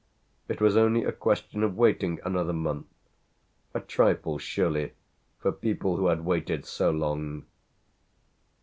It was only a question of waiting another month a trifle surely for people who had waited so long.